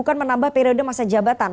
bukan menambah periode masa jabatan